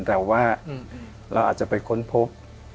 แต่ว่าเราอาจจะไปค้นพบ